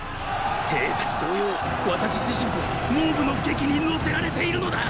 兵たち同様私自身も蒙武の檄に乗せられているのだ！